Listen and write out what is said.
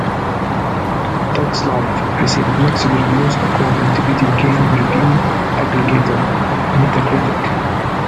"Dog's Life" received "mixed" reviews according to video game review aggregator Metacritic.